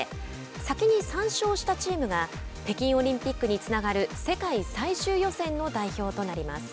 先に３勝したチームが北京オリンピックにつながる世界最終予選の代表となります。